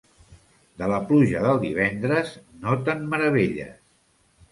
De la pluja del divendres, no te'n meravelles.